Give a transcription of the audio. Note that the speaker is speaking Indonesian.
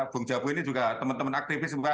bung jabu ini juga teman teman aktivisme mbak